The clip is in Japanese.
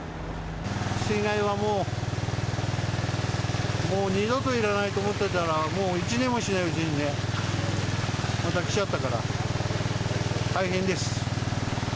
水害はもう、もう二度といらないと思ってたら、もう１年もしないうちにね、またきちゃったから、大変です。